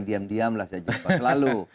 diam diamlah saja pak selalu